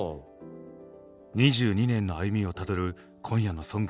２２年の歩みをたどる今夜の「ＳＯＮＧＳ」。